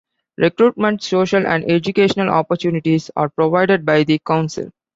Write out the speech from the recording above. Recruitment, social, and educational opportunities are provided by the council.